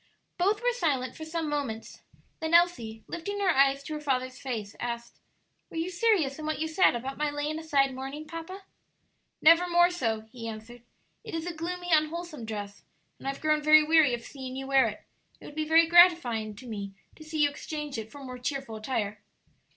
Both were silent for some moments; then Elsie, lifting her eyes to her father's face, asked, "Were you serious in what you said about my laying aside mourning, papa?" "Never more so," he answered. "It is a gloomy, unwholesome dress, and I have grown very weary of seeing you wear it. It would be very gratifying to me to see you exchange it for more cheerful attire."